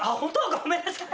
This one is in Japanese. ごめんなさい。